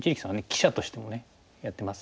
記者としてもやってますし。